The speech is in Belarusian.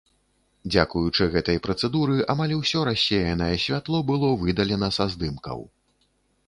Дзякуючы гэтай працэдуры, амаль усё рассеянае святло было выдалена са здымкаў.